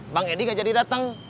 bang edi gak jadi datang